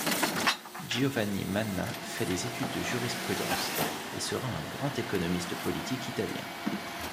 Giovanni Manna fait des études de jurisprudence, et sera un grand économiste politique italien.